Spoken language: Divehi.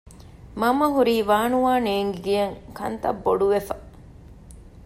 މަންމަ ހުރީ ވާނުވާ ނޭގިގެން ކަންތައް ބޮޑުވެފަ